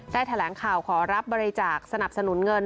แถลงข่าวขอรับบริจาคสนับสนุนเงิน